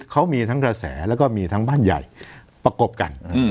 เขามีทั้งกระแสแล้วก็มีทั้งบ้านใหญ่ประกบกัน